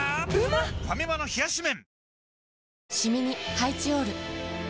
ファミマの冷し麺